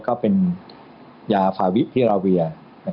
ก็เป็นยาฝาวิทยาวิย